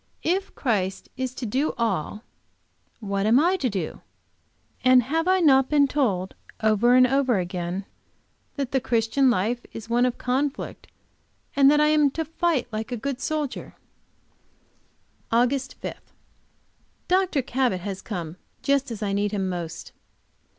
If Christ is to do all, what am I to do? And have I not been told, over and over again, that the Christian life is one of conflict, and that I am to fight like a good soldier? AUGUST 5. Dr. Cabot has come just as I need him most.